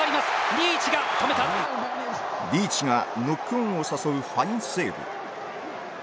リーチがノックオンを誘うファインセーブ